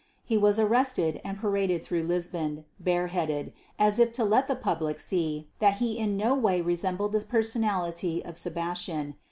He was arrested and paraded through Lisbon, bareheaded, as if to let the public see that he in no way resembled the personality of Sebastian.